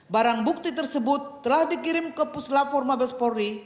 barang bukti tersebut telah dikirim ke puslap